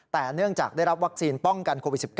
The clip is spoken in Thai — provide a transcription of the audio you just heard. แต่เนื่องจากได้รับวัคซีนป้องกันโควิด๑๙